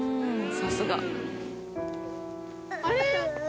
さすが。